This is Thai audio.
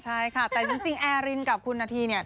ใช่ค่ะแต่จริงแอร์รินกับคุณนาธีเนี่ย